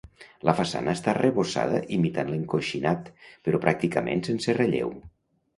La façana està arrebossada imitant l'encoixinat però pràcticament sense relleu.